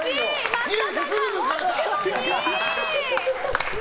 増田さんが惜しくも２位。